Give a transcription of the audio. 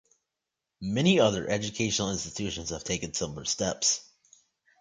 Many other educational institutions have taken similar steps.